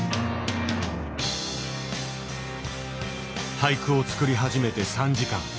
俳句を作り始めて３時間。